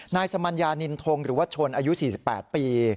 นายสมัญญานินทงหรือว่าชนอายุ๔๘ปี